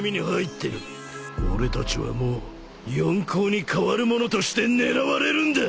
俺たちはもう四皇に代わるものとして狙われるんだ！